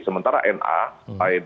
sementara na lain